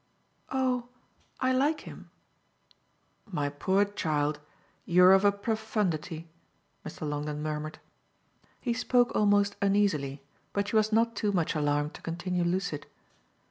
"Oh I like him." "My poor child, you're of a profundity!" Mr. Longdon murmured. He spoke almost uneasily, but she was not too much alarmed to continue lucid.